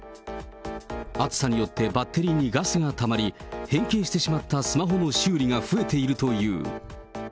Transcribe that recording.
暑さによってバッテリーにガスがたまり、変形したスマホの修理が増えているという。